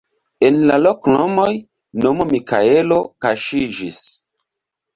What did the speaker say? En la loknomoj nomo Mikaelo kaŝiĝis.